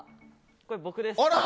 これは僕です